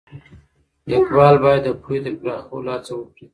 اقبال باید د پوهې د پراخولو هڅه وکړي.